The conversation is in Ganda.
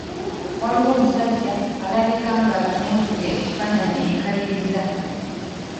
Waliwo omusajja alabika ng’atunuulidde ekifaanaanyi enkaliriza.